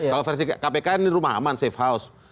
kalau versi kpk ini rumah aman safe house